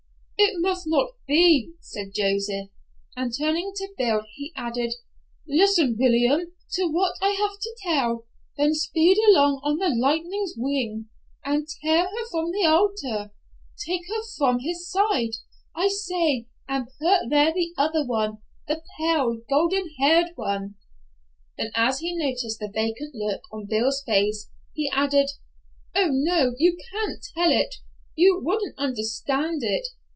"It must not be," said Joseph, and turning to Bill he added, "listen, William, to what I have to tell, then speed along on the lightning's wing, and tear her from the altar—take her from his side, I say, and put there the other one, the pale, golden haired one"; then, as he noticed the vacant look on Bill's face, he added, "oh, no, you can't tell it. You wouldn't understand it.